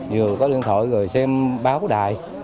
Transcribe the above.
vừa có điện thoại rồi xem báo đài